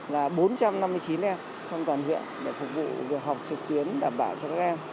là bốn trăm năm mươi chín em trong toàn huyện để phục vụ việc học trực tuyến đảm bảo cho các em